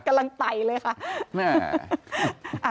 กำลังไตเลยค่ะแหม